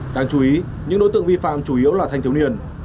đáng chú ý những đối tượng vi phạm chủ yếu là thanh thiếu niên